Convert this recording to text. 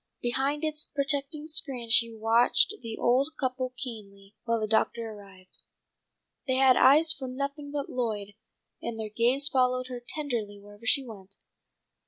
Behind its protecting screen she watched the old couple keenly, when the doctor arrived. They had eyes for nothing but Lloyd, and their gaze followed her tenderly wherever she went.